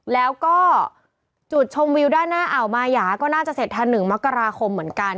แล้วก็จุดชมวิวด้านหน้าอ่าวมายาก็น่าจะเสร็จทัน๑มกราคมเหมือนกัน